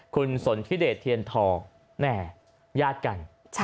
คุณสนทิเดชเทียนทองแหม่ญาติกัน